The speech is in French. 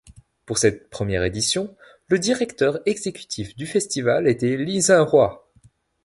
Pour cette première édition, le directeur exécutif du festival était Li Zhenhua.